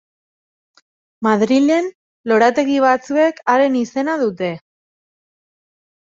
Madrilen lorategi batzuek haren izena dute.